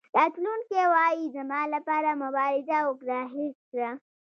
راتلونکی وایي زما لپاره مبارزه وکړه هېر کړه.